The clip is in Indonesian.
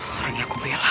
orang yang ku belah